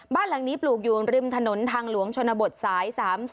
บ้านหลังนี้ปลูกอยู่ริมถนนทางหลวงชนบทสาย๓๐